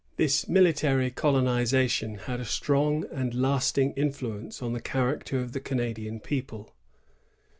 This military colonization had a strong and lasting influence on the character of the Canadian people.